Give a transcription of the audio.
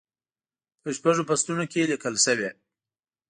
په شپږو فصلونو کې لیکل شوې.